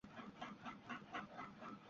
তাও টাকার জন্য।